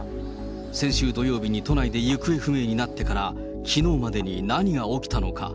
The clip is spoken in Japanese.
先週土曜日に都内で行方不明になってから、きのうまでに何が起きたのか。